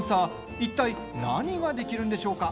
いったい何ができるんでしょうか？